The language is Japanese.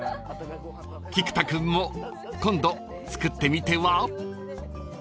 ［菊田君も今度作ってみては］